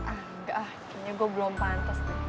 enggak kayaknya gue belum pantas deh